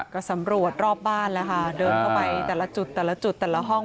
ก็สำรวจรอบบ้านแล้วค่ะเดินกลับไปแต่ละจุดแต่ละห้อง